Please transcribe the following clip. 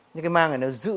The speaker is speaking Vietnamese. những cái màng này nó giữ